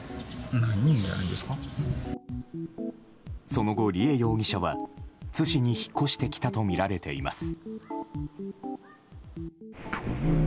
その後、梨恵容疑者は津市に引っ越してきたとみられています。